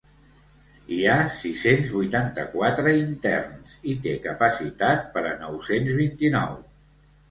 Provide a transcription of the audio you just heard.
Hi ha sis-cents vuitanta-quatre interns i té capacitat per a nou-cents vint-i-nou.